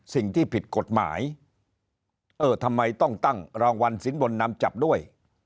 สิ่งที่ผิดกฎหมายเออทำไมต้องตั้งรางวัลสินบนนำจับด้วย